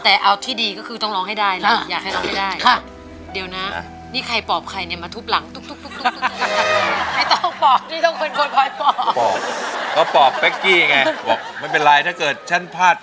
แต่เอาที่ดีก็คือต้องร้องให้ได้นะ